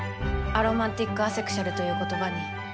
アロマンティック・アセクシュアルという言葉に。